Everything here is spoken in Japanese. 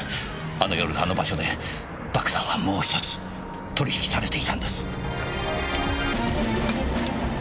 あの夜あの場所で爆弾はもう一つ取引されていたんです。